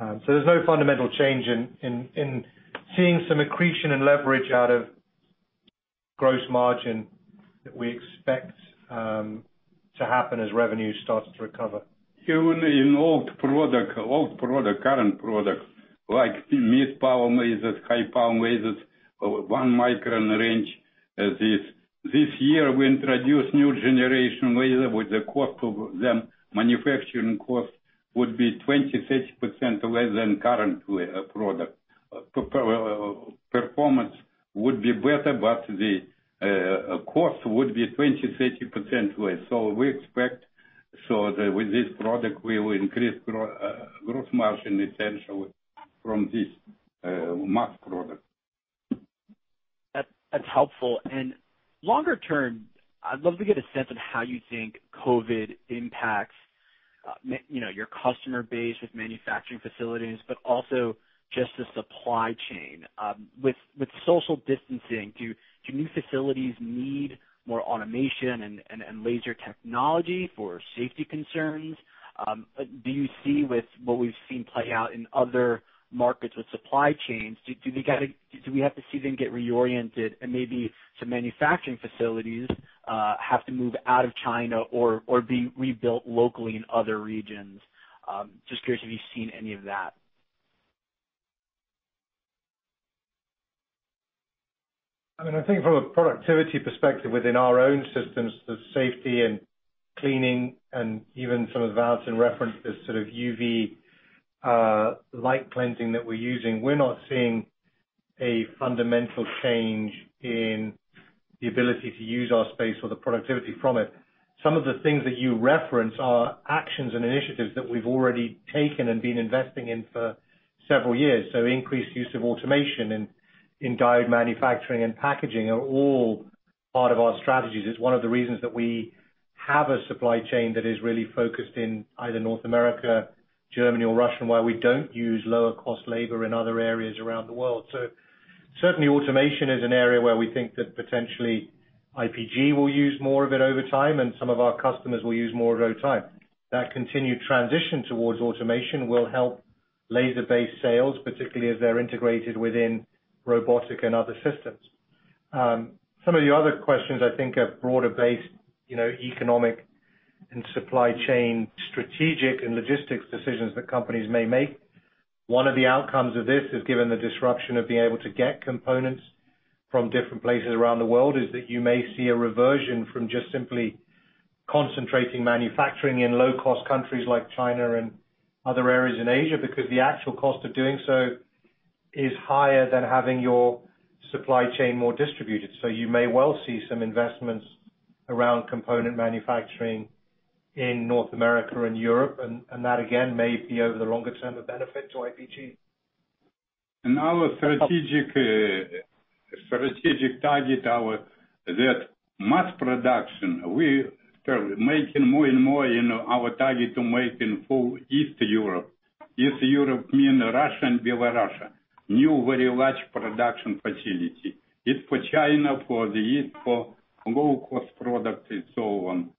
There's no fundamental change in seeing some accretion and leverage out of gross margin that we expect to happen as revenue starts to recover. Even in old product, current products like mid-power lasers, high-power lasers, one micron range. This year we introduce new generation laser with the cost of them, manufacturing cost would be 20%-30% less than current product. Performance would be better, the cost would be 20%-30% less. We expect with this product, we will increase gross margin potential from this mass product. That's helpful. Longer term, I'd love to get a sense of how you think COVID impacts your customer base with manufacturing facilities, but also just the supply chain. With social distancing, do new facilities need more automation and laser technology for safety concerns? Do you see with what we've seen play out in other markets with supply chains, do we have to see them get reoriented and maybe some manufacturing facilities have to move out of China or be rebuilt locally in other regions? Just curious if you've seen any of that. I think from a productivity perspective within our own systems, the safety and cleaning and even some of the advances in reference to sort of UV light cleansing that we're using, we're not seeing a fundamental change in the ability to use our space or the productivity from it. Some of the things that you reference are actions and initiatives that we've already taken and been investing in for several years. Increased use of automation in diode manufacturing and packaging are all part of our strategies. It's one of the reasons that we have a supply chain that is really focused in either North America, Germany or Russia, and why we don't use lower cost labor in other areas around the world. Certainly automation is an area where we think that potentially IPG will use more of it over time, and some of our customers will use more over time. That continued transition towards automation will help laser-based sales, particularly as they're integrated within robotic and other systems. Some of the other questions I think are broader based economic and supply chain strategic and logistics decisions that companies may make. One of the outcomes of this is, given the disruption of being able to get components from different places around the world, is that you may see a reversion from just simply concentrating manufacturing in low-cost countries like China and other areas in Asia, because the actual cost of doing so is higher than having your supply chain more distributed. You may well see some investments around component manufacturing in North America and Europe, and that again, may be over the longer term, a benefit to IPG. Our strategic target, that mass production, we are making more and more our target to make in full East Europe mean Russia and Belarus. New very large production facility. It's for China, for the East, for low cost product and so on.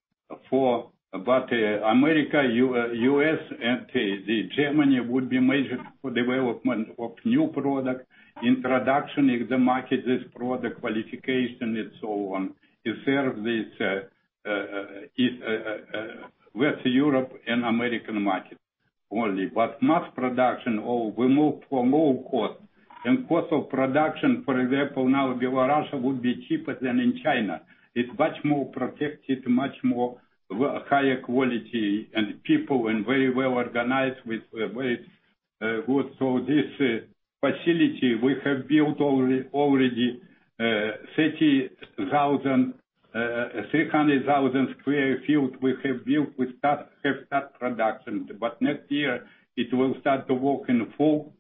America, U.S., and the Germany would be major for development of new product, introduction in the market, this product qualification and so on. To serve this West Europe and American market only. Mass production all remove for low cost. Cost of production, for example, now Belarus would be cheaper than in China. It's much more protected, much more higher quality and people and very well organized with very good. This facility we have built already 300,000 sq ft we have built, we have start production. Next year it will start to work in full.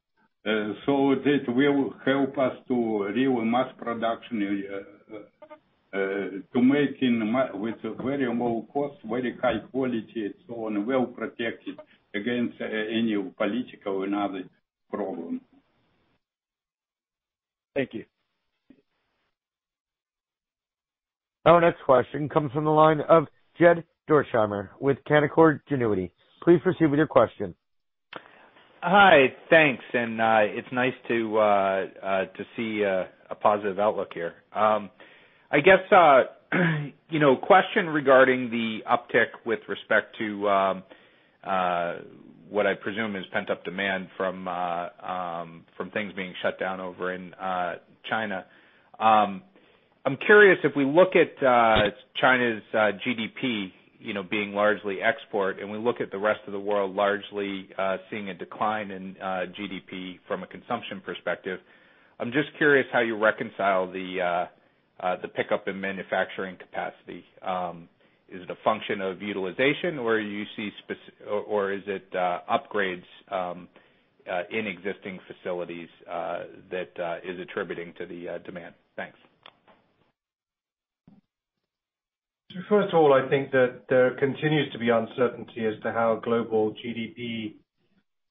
This will help us to real mass production, to make with very low cost, very high quality and so on, well protected against any political and other problem. Thank you. Our next question comes from the line of Jed Dorsheimer with Canaccord Genuity. Please proceed with your question. Hi. Thanks. It's nice to see a positive outlook here. I guess, question regarding the uptick with respect to what I presume is pent-up demand from things being shut down over in China. I'm curious if we look at China's GDP, being largely export, and we look at the rest of the world largely seeing a decline in GDP from a consumption perspective. I'm just curious how you reconcile the pickup in manufacturing capacity. Is it a function of utilization, or is it upgrades in existing facilities that is attributing to the demand? Thanks. First of all, I think that there continues to be uncertainty as to how global GDP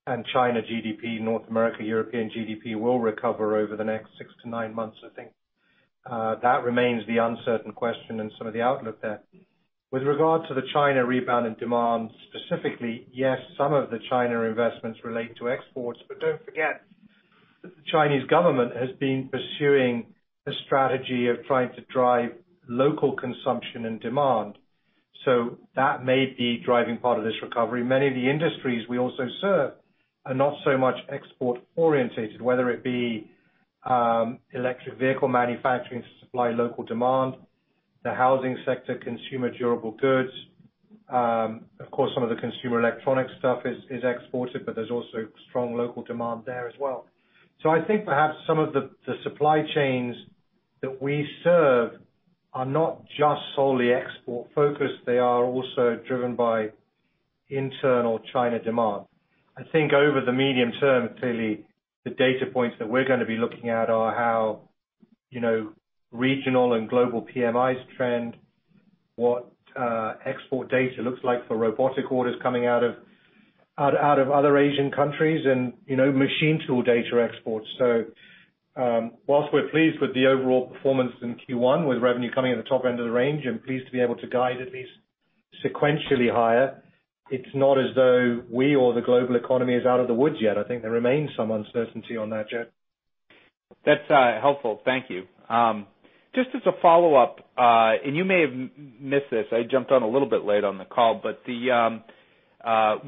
and China GDP, North America, European GDP will recover over the next six to nine months. I think that remains the uncertain question and some of the outlook there. With regard to the China rebound in demand, specifically, yes, some of the China investments relate to exports. Don't forget that the Chinese government has been pursuing a strategy of trying to drive local consumption and demand. That may be driving part of this recovery. Many of the industries we also serve are not so much export orientated, whether it be electric vehicle manufacturing to supply local demand, the housing sector, consumer durable goods. Of course, some of the consumer electronic stuff is exported, but there's also strong local demand there as well. I think perhaps some of the supply chains that we serve are not just solely export focused. They are also driven by internal China demand. I think over the medium term, clearly the data points that we're going to be looking at are how regional and global PMIs trend, what export data looks like for robotic orders coming out of other Asian countries and machine tool data exports. Whilst we're pleased with the overall performance in Q1 with revenue coming at the top end of the range and pleased to be able to guide at least sequentially higher, it's not as though we or the global economy is out of the woods yet. I think there remains some uncertainty on that, Jed. That's helpful. Thank you. Just as a follow-up, you may have missed this. I jumped on a little bit late on the call, with the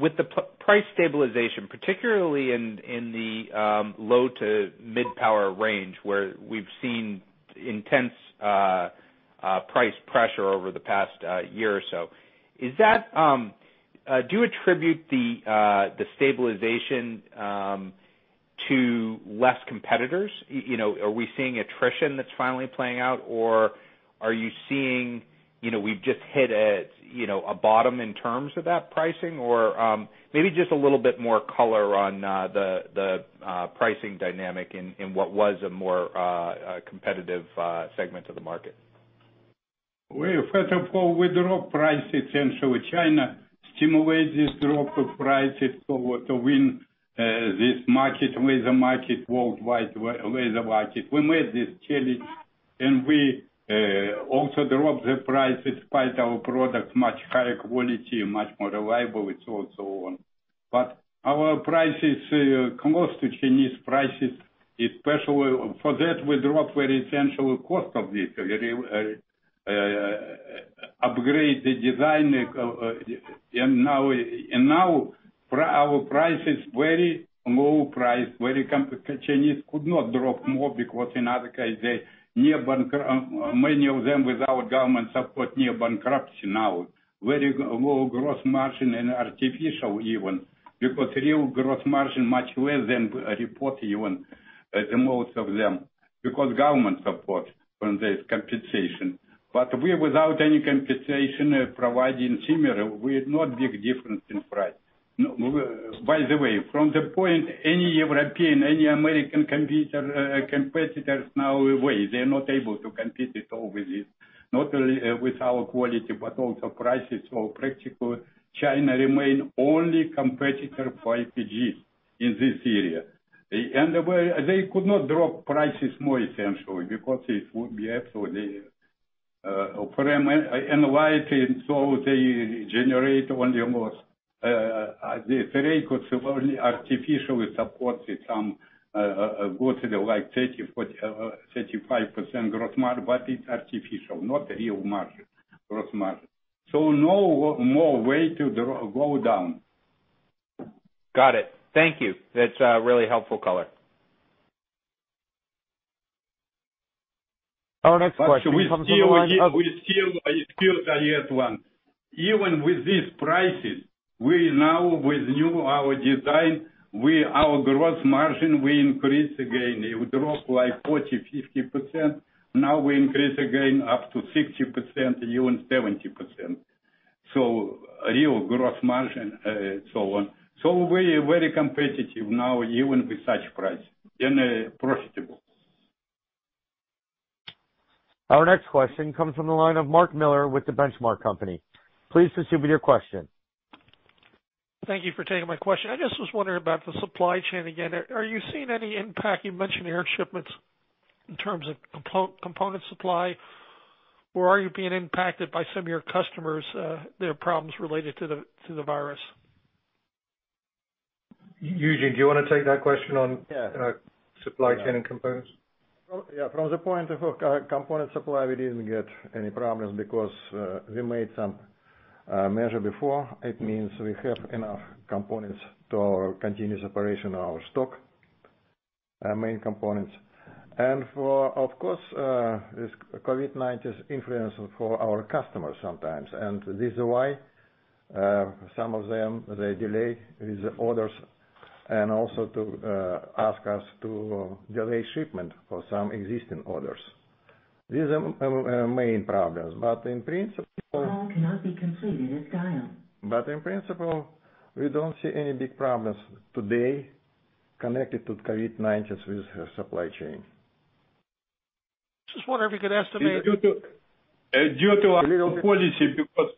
price stabilization, particularly in the low to mid power range, where we've seen intense price pressure over the past year or so, do you attribute the stabilization to less competitors? Are we seeing attrition that's finally playing out, are you seeing we've just hit a bottom in terms of that pricing? Maybe just a little bit more color on the pricing dynamic in what was a more competitive segment of the market. First of all, we drop prices in China, stimulate this drop of prices for to win this market with the market worldwide. We made this challenge. We also drop the prices despite our product much higher quality, much more reliable, and so on. Our prices come close to Chinese prices, especially for that we drop very essential cost of this, upgrade the design. Now our price is very low price, very Chinese could not drop more because in other case, many of them without government support near bankruptcy now. Very low gross margin and artificial even, because real gross margin much less than reported even at the most of them, because government support on this compensation. We without any compensation providing similar, with not big difference in price. By the way, from the point any European, any American competitors now away. They're not able to compete at all with this, not only with our quality, but also prices. Practically China remains only competitor for IPG's in this area. They could not drop prices more essentially because it would be absolutely open. Why? They generate only almost, [the three quotes], only artificially supported some go to the 30%, 40%, 35% gross margin, but it's artificial, not real market, gross market. No more way to go down. Got it. Thank you. That's a really helpful color. Our next question comes from the line of. We still got yet one. Even with these prices, we now, with new our design, our gross margin, we increase again. It would drop like 40%-50%. Now we increase again up to 60%, even 70%. A real gross margin, so on. We're very competitive now, even with such price and profitable. Our next question comes from the line of Mark Miller with The Benchmark Company. Please proceed with your question. Thank you for taking my question. I just was wondering about the supply chain again. Are you seeing any impact, you mentioned air shipments, in terms of component supply, or are you being impacted by some of your customers, their problems related to the virus? Eugene, do you want to take that question? Yeah supply chain and components? Yeah. From the point of component supply, we didn't get any problems because we made some measure before. It means we have enough components to our continuous operation, our stock, main components. Of course, this COVID-19 is influence for our customers sometimes. This is why some of them, they delay with the orders and also to ask us to delay shipment for some existing orders. These are our main problems. In principle, we don't see any big problems today connected to COVID-19 with supply chain. Just wondering if you could estimate. Due to our policy,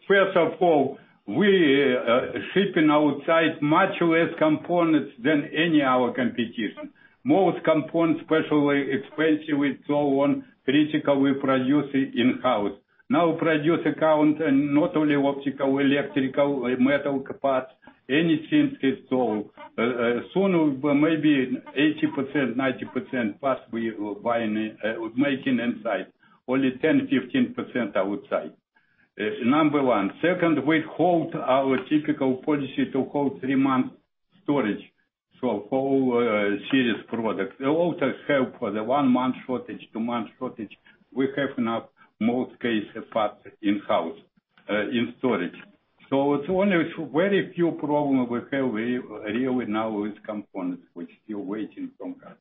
first of all, we are shipping outside much less components than any our competition. Most components, especially expensive and so on, critical, we produce it in-house. Now produce account and not only optical, electrical, metal parts, anything. Sooner, maybe 80%-90% plus we will be making inside. Only 10%-15% outside. Number one. Second, we hold our typical policy to hold three-month storage. For all serious products. It also help for the one-month shortage, two-month shortage. We have enough, most case, parts in-house, in storage. It's only very few problem we have really now with components. We're still waiting sometimes.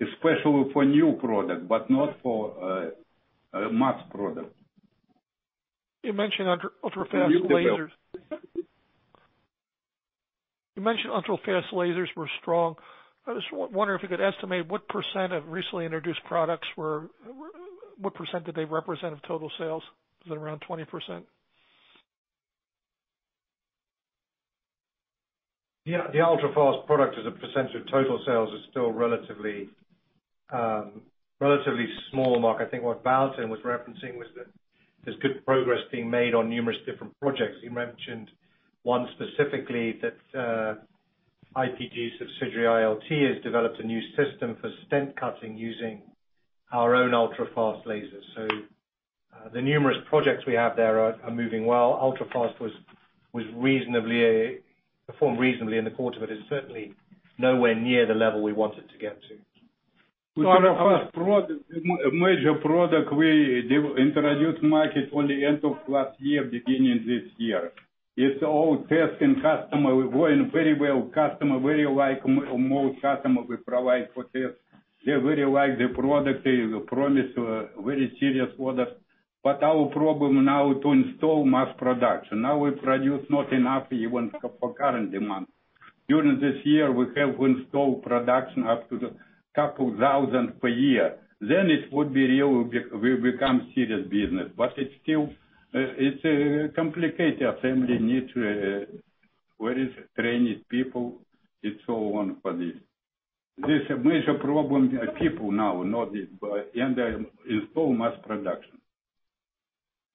Especially for new product, but not for mass product. You mentioned ultrafast lasers. You mentioned ultrafast lasers were strong. I was wondering if you could estimate what precentage of recently introduced products what percentage did they represent of total sales? Is it around 20%? The ultrafast product as a percentage of total sales is still relatively small, Mark. I think what Valentin was referencing was that there's good progress being made on numerous different projects. He mentioned one specifically that IPG's subsidiary, ILT, has developed a new system for stent cutting using our own ultrafast lasers. The numerous projects we have there are moving well. Ultrafast performed reasonably in the quarter, but it's certainly nowhere near the level we want it to get to. Ultrafast product, major product we introduced market only end of last year, beginning this year. It's all testing customer, going very well. Most customer we provide for test, they really like the product. They promise very serious orders. Our problem now to install mass production. Now we produce not enough even for current demand. During this year, we have to install production up to the couple thousand per year. It would be real, will become serious business. It's a complicated assembly. Trained people, it's so on for this. This a major problem, people now, not this, but install mass production.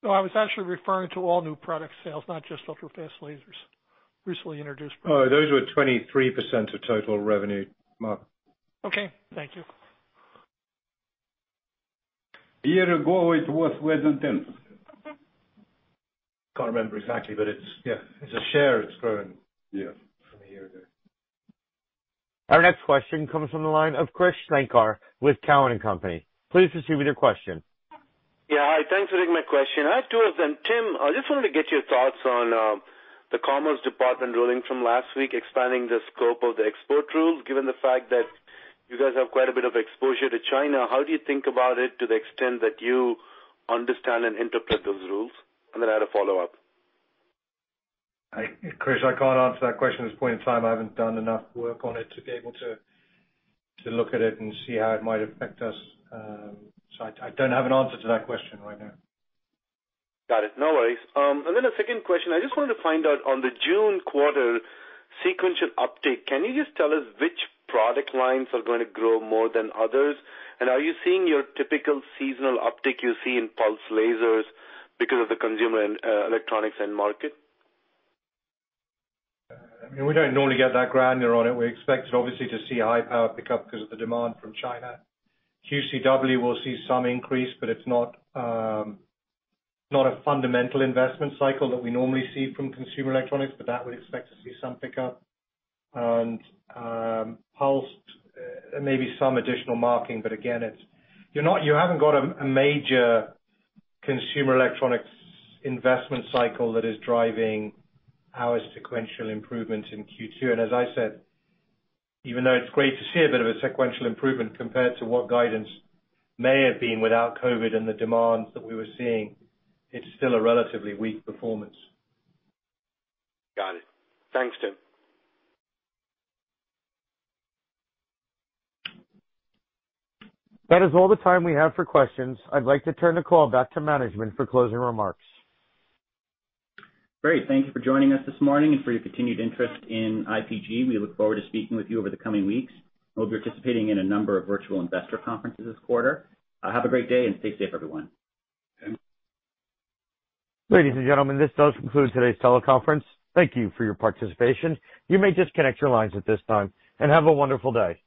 No, I was actually referring to all new product sales, not just ultrafast lasers. Recently introduced products. Oh, those were 23% of total revenue, Mark. Okay. Thank you. A year ago, it was less than 10%. Can't remember exactly, but yeah, as a share, it's grown. Yeah from a year ago. Our next question comes from the line of Krish Sankar with Cowen and Company. Please proceed with your question. Yeah. Hi, thanks for taking my question. I have two of them. Tim, I just wanted to get your thoughts on the Department of Commerce ruling from last week expanding the scope of the export rules. Given the fact that you guys have quite a bit of exposure to China, how do you think about it to the extent that you understand and interpret those rules? I had a follow-up. Krish, I can't answer that question at this point in time. I haven't done enough work on it to be able to look at it and see how it might affect us. I don't have an answer to that question right now. Got it. No worries. A second question. I just wanted to find out on the June quarter sequential uptake, can you just tell us which product lines are going to grow more than others? Are you seeing your typical seasonal uptick you see in pulsed lasers because of the consumer and electronics end market? We don't normally get that granular on it. We expected obviously to see high power pick up because of the demand from China. QCW will see some increase, but it's not a fundamental investment cycle that we normally see from consumer electronics, but that we expect to see some pick up. Pulsed, maybe some additional marking, but again, you haven't got a major consumer electronics investment cycle that is driving our sequential improvement in Q2. As I said, even though it's great to see a bit of a sequential improvement compared to what guidance may have been without COVID and the demands that we were seeing, it's still a relatively weak performance. Got it. Thanks, Tim. That is all the time we have for questions. I'd like to turn the call back to management for closing remarks. Great. Thank you for joining us this morning and for your continued interest in IPG. We look forward to speaking with you over the coming weeks. We will be participating in a number of virtual investor conferences this quarter. Have a great day and stay safe, everyone. Tim? Ladies and gentlemen, this does conclude today's teleconference. Thank you for your participation. You may disconnect your lines at this time, and have a wonderful day.